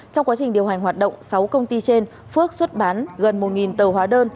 trong quá trình điều hành hoạt động sáu công ty trên phước xuất bán gần một tờ hóa đơn